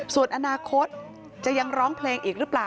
ส่วนอนาคตจะยังร้องเพลงอีกหรือเปล่า